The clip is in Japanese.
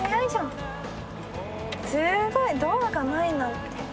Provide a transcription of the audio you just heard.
すごい！ドアがないなんて。